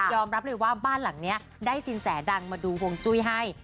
อมรับเลยว่าบ้านหลังนี้ได้สินแสดังมาดูฮวงจุ้ยให้